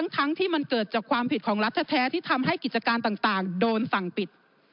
ทั้งที่มันเกิดจากความผิดของรัฐแท้ที่ทำให้กิจการต่างโดนสั่งปิด